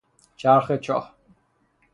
چرخ چاه